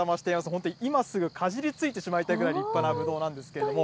本当、今すぐかじりついてしまいたいぐらい立派なぶどうなんですけれども。